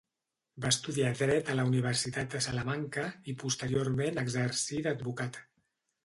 Va estudiar dret a la Universitat de Salamanca, i posteriorment exercí d'advocat.